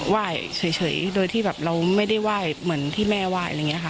เฉยโดยที่แบบเราไม่ได้ไหว้เหมือนที่แม่ไหว้อะไรอย่างนี้ค่ะ